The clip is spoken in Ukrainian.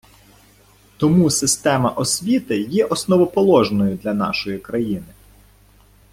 Тому система освіти є основоположною для нашої країни.